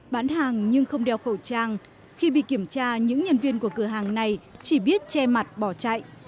bán hàng nhưng không đeo khẩu trang khi bị kiểm tra những nhân viên của cửa hàng này chỉ biết che mặt bỏ chạy